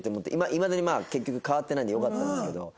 いまだに結局変わってないんでよかったんですけど。